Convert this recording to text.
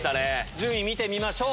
順位見てみましょう。